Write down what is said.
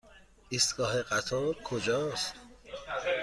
ایستگاه قطار کجاست؟